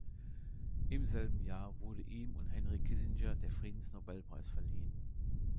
Im selben Jahr wurde ihm und Henry Kissinger der Friedensnobelpreis verliehen.